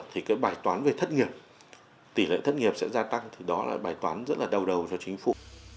thì cái bài toán về thất nghiệp tỷ lệ thất nghiệp sẽ gia tăng thì đó là bài toán rất là đầu đầu cho chính phủ